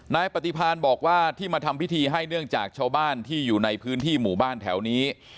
นายปฏิพันธ์บอกว่าที่มาทำพิธีให้เนื่องจากชาวบ้านที่อยู่ในพื้นที่หมู่บ้านแถวนี้